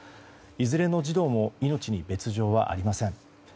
いずれの児童も命に別状はありません。